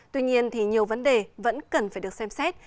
tuy nhiên thì nhiều vấn đề vẫn cần phải được xem xét